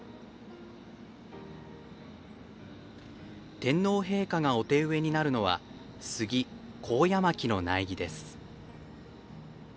天皇陛下がお手植えになるのはスギ、コウヤマキの苗木です。